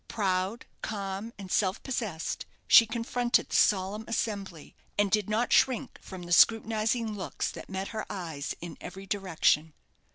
Proud, calm, and self possessed, she confronted the solemn assembly, and did not shrink from the scrutinizing looks that met her eyes in every direction.